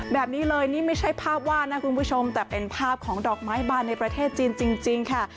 แบบนี้เลยนี่ไม่ใช่ภาพวาดนะคุณผู้ชมแต่เป็นภาพของดอกไม้บานในประเทศจีนจริงค่ะ